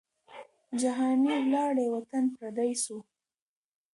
جهاني ولاړې وطن پردی سو